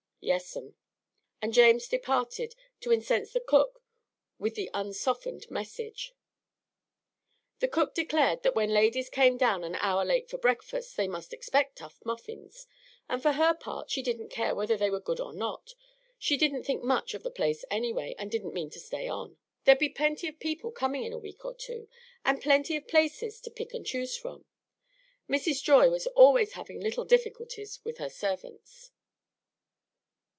"Yes, 'm." And James departed to incense the cook with the unsoftened message. The cook declared that when ladies came down an hour late for breakfast, they must expect tough muffins; and for her part she didn't care whether they were good or not; she didn't think much of the place anyway, and didn't mean to stay on. There'd be plenty of people coming in a week or two, and plenty of places to pick and choose from. Mrs. Joy was always having little difficulties with her servants.